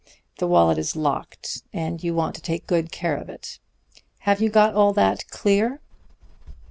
The wallet is locked, and you want to take good care of it. Have you got all that clear?'